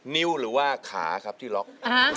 นิ้วหรือว่าขาครับที่ล็อก